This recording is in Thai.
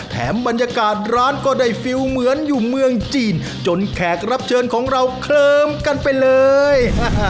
บรรยากาศร้านก็ได้ฟิลเหมือนอยู่เมืองจีนจนแขกรับเชิญของเราเคลิมกันไปเลย